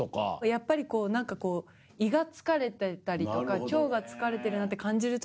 やっぱり何かこう胃が疲れてたりとか腸が疲れてるなって感じる時。